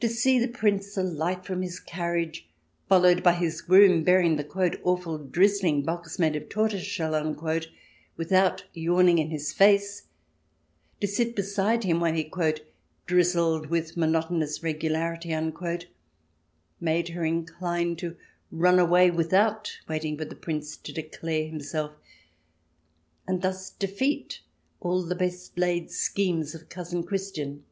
To see the Prince alight from his carriage, followed by his groom bearing the " awful drizzling box, made of tortoise shell," with out yawning in his face ; to sit beside him while he " drizzled with monotonous regularity," made her inclined to run away without waiting for the Prince to declare himself, and thus defeat all the best laid schemes of Cousin Christian.